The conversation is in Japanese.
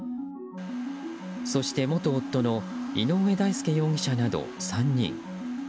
そして元夫の井上大輔容疑者など３人。